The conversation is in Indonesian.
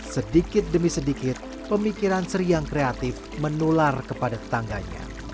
sedikit demi sedikit pemikiran sri yang kreatif menular kepada tetangganya